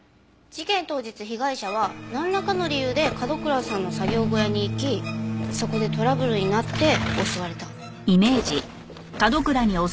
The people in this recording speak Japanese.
事件当日被害者はなんらかの理由で角倉さんの作業小屋に行きそこでトラブルになって襲われた。